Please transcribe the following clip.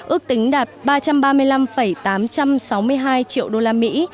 ước tính đạt ba trăm ba mươi năm tám trăm sáu mươi hai triệu đô la mỹ